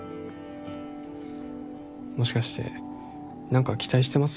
もしかして何か期待してます？